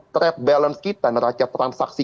trade balance kita neraca transaksi